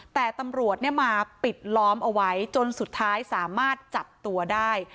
แต่ตำรวจมาปิดล้อมเอาไว้จนสุดท้ายสามารถจับตัวได้